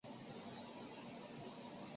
曾希圣是邓小平与卓琳结婚的介绍人。